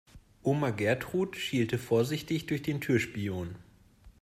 Oma Gertrud schielte vorsichtig durch den Türspion.